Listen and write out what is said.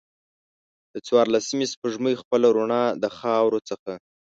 د څوارلسمې سپوږمۍ خپله روڼا د خاورو څخه